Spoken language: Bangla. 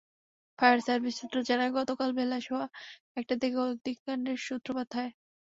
ফায়ার সার্ভিস সূত্র জানায়, গতকাল বেলা সোয়া একটার দিকে অগ্নিকাণ্ডের সূত্রপাত হয়।